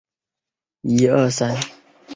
格林海德是德国勃兰登堡州的一个市镇。